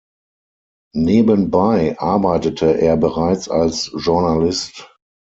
Nebenbei arbeitete er bereits als Journalist.